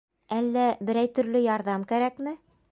Әллә берәй төрлө ярҙам кәрәкме?